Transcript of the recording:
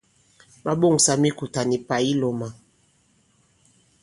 Ɓa ɓoŋsa mikùtà nì pà yi lɔ̄ma.